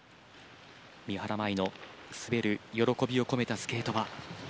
三原舞依の滑る喜びをこめたスケートは。